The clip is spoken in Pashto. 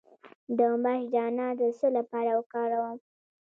د ماش دانه د څه لپاره وکاروم؟